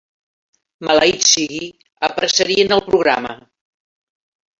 Maleït sigui, apressarien el programa.